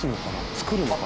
作るのかな？